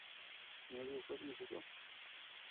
¿Ñeʼe duʼu kuetíchi ko?